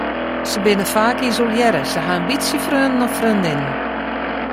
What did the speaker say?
Se binne faak isolearre, se ha in bytsje freonen of freondinnen.